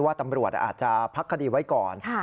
ตำรวจอาจจะพักคดีไว้ก่อน